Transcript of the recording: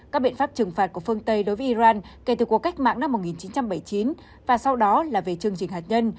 các biện pháp trừng phạt của phương tây đối với iran kể từ cuộc cách mạng năm một nghìn chín trăm bảy mươi chín và sau đó là về chương trình hạt nhân